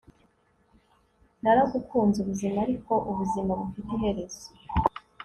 Naragukunze ubuzima ariko ubuzima bufite iherezo